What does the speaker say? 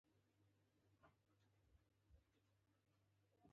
دوه توري لکه تا، ما او دی.